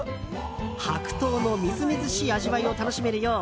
白桃のみずみずしい味わいを楽しめるよう